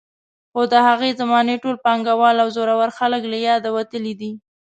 خو د هغې زمانې ټول پانګوال او زورور خلک له یاده وتلي دي.